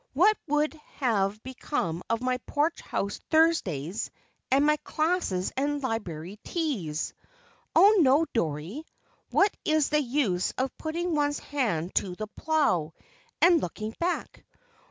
What would have become of my Porch House Thursdays, and my classes and Library teas? Oh, no, Dorrie. What is the use of 'putting one's hand to the plough, and looking back?'